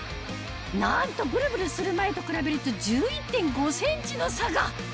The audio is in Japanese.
なんとブルブルする前と比べると１１．５ｃｍの差が！